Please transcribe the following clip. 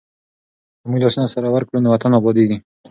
که موږ لاسونه سره ورکړو نو وطن ابادېږي.